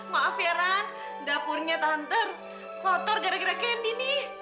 maaf ya ran dapurnya tante kotor gara gara kendi nih